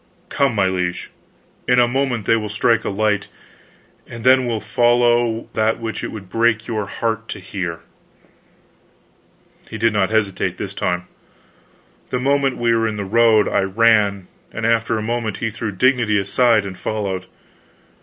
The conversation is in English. "Come, my liege! in a moment they will strike a light, and then will follow that which it would break your heart to hear." He did not hesitate this time. The moment we were in the road I ran; and after a moment he threw dignity aside and followed.